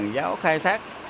giáo khai thác